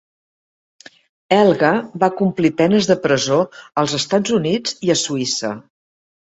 "Helga", va complir penes de presó als Estats Units i a Suïssa.